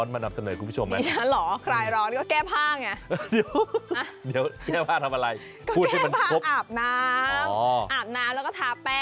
ในประเทศไทยเข้ายร้อนกันแบบไหนครับ